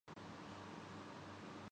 صبح ناشتے کے لئے بچ جائیں